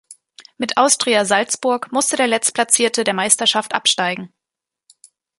Mit Austria Salzburg musste der Letztplatzierte der Meisterschaft absteigen.